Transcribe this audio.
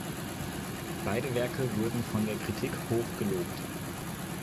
Beide Werke wurden von der Kritik hoch gelobt.